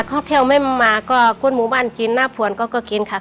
คอคเทลไม่มาก็กุ้นหมู่บ้านกินหน้าผวนก็ก็กินค่ะ